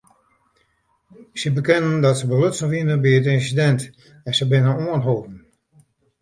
Sy bekenden dat se belutsen wiene by it ynsidint en se binne oanholden.